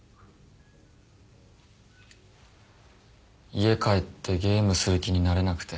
家帰ってゲームする気になれなくて。